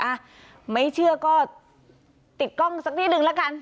อ่ะไม่เชื่อก็ติดกล้องสักนิดนึงละกัน